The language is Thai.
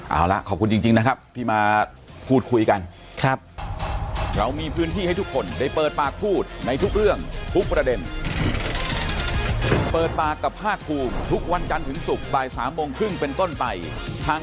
เอาละขอบคุณจริงนะครับที่มาพูดคุยกัน